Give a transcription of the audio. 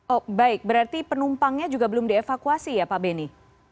oh baik berarti penumpangnya juga belum dievakuasi ya pak beni